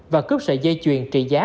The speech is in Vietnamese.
và cướp sợi dây chuyền trị giá